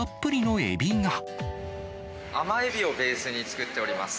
甘エビをベースに作っております。